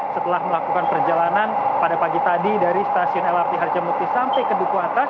setelah melakukan perjalanan pada pagi tadi dari stasiun lrt harjamukti sampai ke duku atas